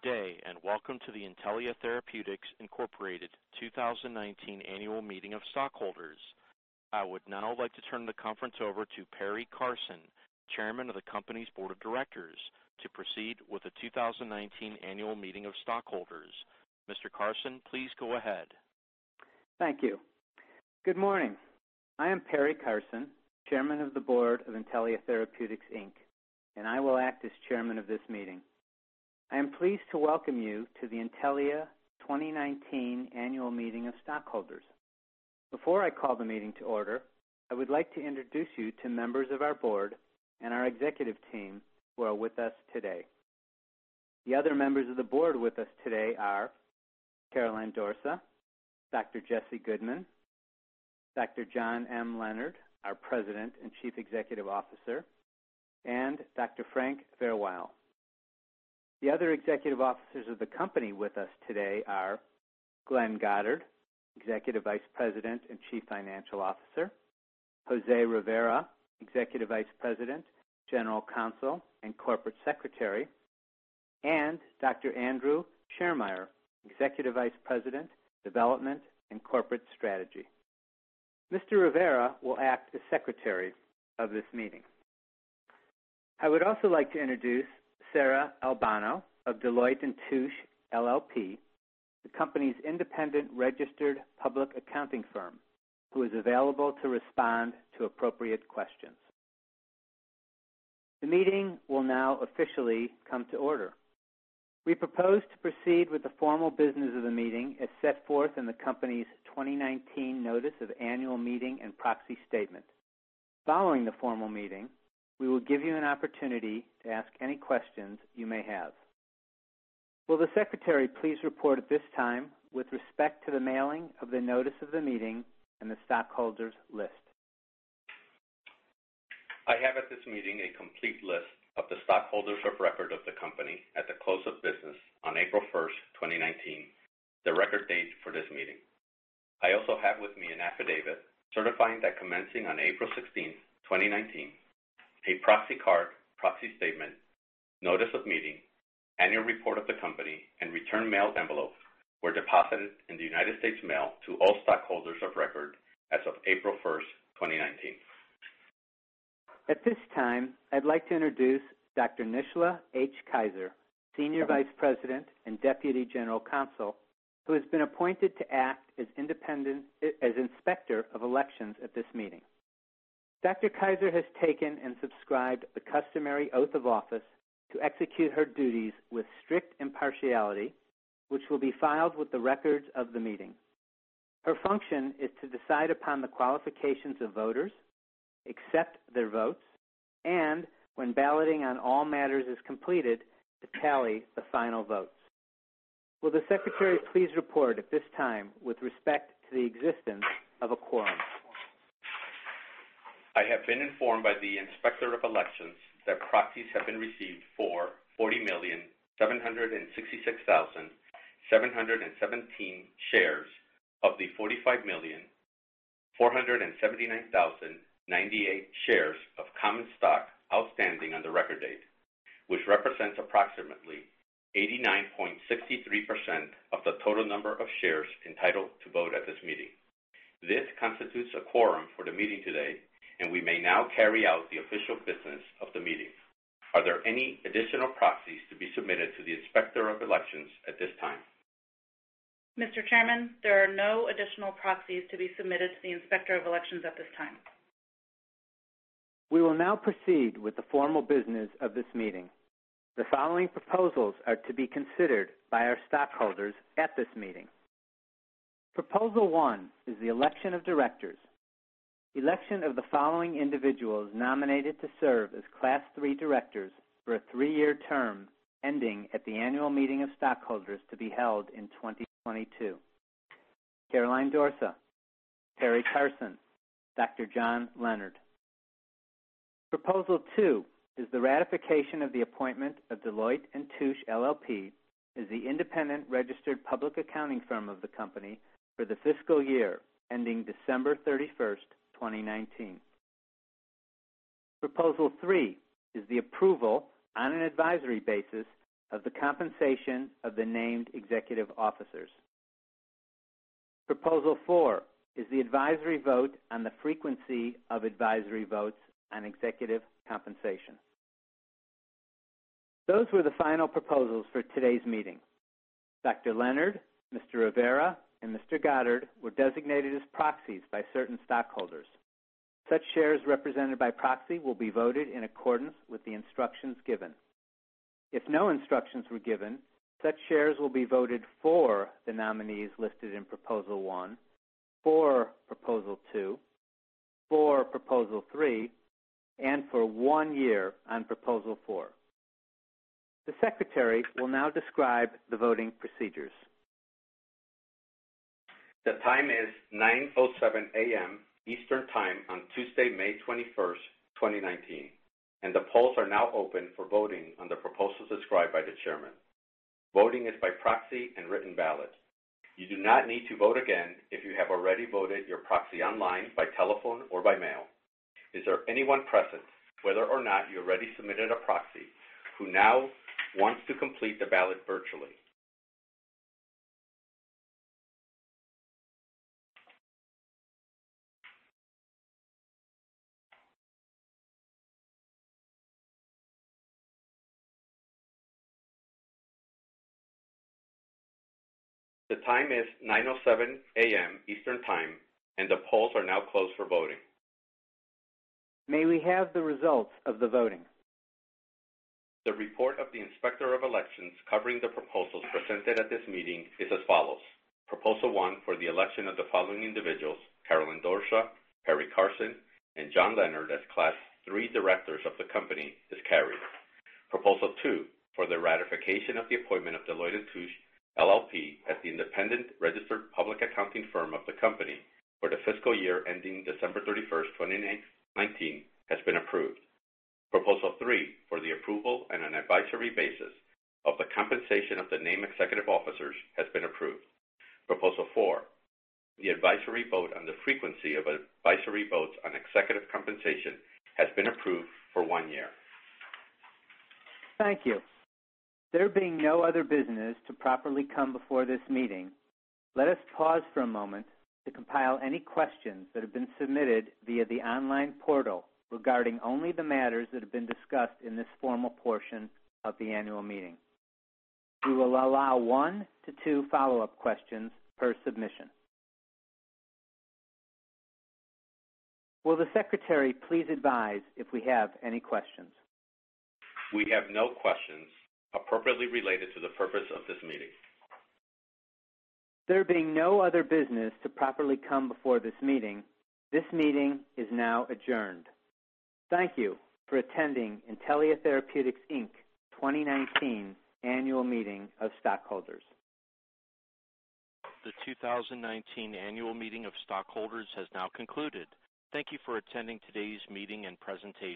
Good day, welcome to the Intellia Therapeutics Incorporated 2019 Annual Meeting of Stockholders. I would now like to turn the conference over to Perry Karsen, Chairman of the company's Board of Directors, to proceed with the 2019 Annual Meeting of Stockholders. Mr. Karsen, please go ahead. Thank you. Good morning. I am Perry Karsen, Chairman of the Board of Intellia Therapeutics, Inc., I will act as Chairman of this meeting. I am pleased to welcome you to the Intellia 2019 Annual Meeting of Stockholders. Before I call the meeting to order, I would like to introduce you to members of our Board and our executive team who are with us today. The other members of the Board with us today are Caroline Dorsa, Dr. Jesse Goodman, Dr. John M. Leonard, our President and Chief Executive Officer, and Dr. Frank Verwiel. The other Executive Officers of the company with us today are Glenn Goddard, Executive Vice President and Chief Financial Officer, José Rivera, Executive Vice President, General Counsel, and Corporate Secretary, and Dr. Andrew Schiermeier, Executive Vice President, development and corporate strategy. Mr. Rivera will act as Secretary of this meeting. I would also like to introduce Sarah Albano of Deloitte & Touche LLP, the company's independent registered public accounting firm, who is available to respond to appropriate questions. The meeting will now officially come to order. We propose to proceed with the formal business of the meeting as set forth in the company's 2019 notice of annual meeting and proxy statement. Following the formal meeting, we will give you an opportunity to ask any questions you may have. Will the Secretary please report at this time with respect to the mailing of the notice of the meeting and the stockholders list? I have at this meeting a complete list of the stockholders of record of the company at the close of business on April 1st, 2019, the record date for this meeting. I also have with me an affidavit certifying that commencing on April 16th, 2019, a proxy card, proxy statement, notice of meeting, annual report of the company, and return mail envelope were deposited in the United States Mail to all stockholders of record as of April 1st, 2019. At this time, I'd like to introduce Dr. Nishla Keiser, Senior Vice President and Deputy General Counsel, who has been appointed to act as inspector of elections at this meeting. Dr. Keiser has taken and subscribed the customary oath of office to execute her duties with strict impartiality, which will be filed with the records of the meeting. Her function is to decide upon the qualifications of voters, accept their votes, and when balloting on all matters is completed, to tally the final votes. Will the secretary please report at this time with respect to the existence of a quorum? I have been informed by the inspector of elections that proxies have been received for 40,766,717 shares of the 45,479,098 shares of common stock outstanding on the record date, which represents approximately 89.63% of the total number of shares entitled to vote at this meeting. This constitutes a quorum for the meeting today. We may now carry out the official business of the meeting. Are there any additional proxies to be submitted to the inspector of elections at this time? Mr. Chairman, there are no additional proxies to be submitted to the inspector of elections at this time. We will now proceed with the formal business of this meeting. The following proposals are to be considered by our stockholders at this meeting. Proposal one is the election of directors. Election of the following individuals nominated to serve as Class III directors for a three-year term ending at the annual meeting of stockholders to be held in 2022. Caroline Dorsa, Perry Karsen, Dr. John Leonard. Proposal two is the ratification of the appointment of Deloitte & Touche LLP as the independent registered public accounting firm of the company for the fiscal year ending December 31st, 2019. Proposal three is the approval on an advisory basis of the compensation of the named executive officers. Proposal four is the advisory vote on the frequency of advisory votes on executive compensation. Those were the final proposals for today's meeting. Dr. Leonard, Mr. José Rivera, and Mr. Goddard were designated as proxies by certain stockholders. Such shares represented by proxy will be voted in accordance with the instructions given. If no instructions were given, such shares will be voted for the nominees listed in Proposal one, for Proposal two, for Proposal three, and for one year on Proposal four. The secretary will now describe the voting procedures. The time is 9:07 A.M. Eastern Time on Tuesday, May 21st, 2019, the polls are now open for voting on the proposals described by the chairman. Voting is by proxy and written ballot. You do not need to vote again if you have already voted your proxy online, by telephone, or by mail. Is there anyone present, whether or not you already submitted a proxy, who now wants to complete the ballot virtually? The time is 9:07 A.M. Eastern Time, the polls are now closed for voting. May we have the results of the voting? The report of the Inspector of Elections covering the proposals presented at this meeting is as follows. Proposal one for the election of the following individuals, Caroline Dorsa, Perry Karsen, and John Leonard as Class III directors of the company is carried. Proposal two, for the ratification of the appointment of Deloitte & Touche LLP as the independent registered public accounting firm of the company for the fiscal year ending December 31st, 2019, has been approved. Proposal three, for the approval on an advisory basis of the compensation of the named executive officers, has been approved. Proposal four, the advisory vote on the frequency of advisory votes on executive compensation has been approved for one year. Thank you. There being no other business to properly come before this meeting, let us pause for a moment to compile any questions that have been submitted via the online portal regarding only the matters that have been discussed in this formal portion of the annual meeting. We will allow one to two follow-up questions per submission. Will the secretary please advise if we have any questions? We have no questions appropriately related to the purpose of this meeting. There being no other business to properly come before this meeting, this meeting is now adjourned. Thank you for attending Intellia Therapeutics Inc. 2019 Annual Meeting of Stockholders. The 2019 Annual Meeting of Stockholders has now concluded. Thank you for attending today's meeting and presentation.